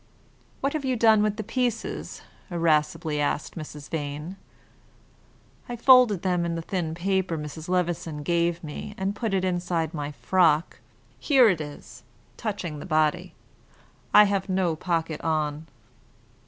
"What have you done with the pieces?" irascibly asked Mrs. Vane. "I folded them in the thin paper Mrs. Levison gave me, and put it inside my frock. Here it is," touching the body. "I have no pocket on."